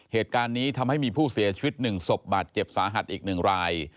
เหตุการณ์นี้ทำให้มีผู้เสียชีวิต๑ศพบาดเจ็บสาหัสอีก๑ราย